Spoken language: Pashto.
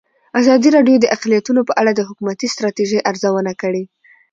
ازادي راډیو د اقلیتونه په اړه د حکومتي ستراتیژۍ ارزونه کړې.